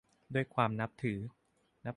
ด้วยความนับถือ